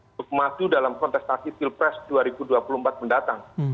untuk maju dalam kontestasi pilpres dua ribu dua puluh empat mendatang